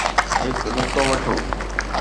هڪ نقطو وٺو.